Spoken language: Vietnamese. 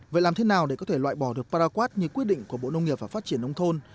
vậy làm thế nào để có thể loại bỏ được paraquad như quyết định của bộ nông nghiệp và phát triển nông thôn